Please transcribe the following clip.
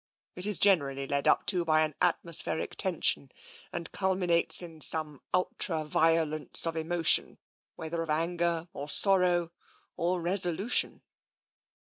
It is generally led up to by an atmospheric tension and culminates in some ultra violence of emotion, whether of anger or sor^ row or resolution."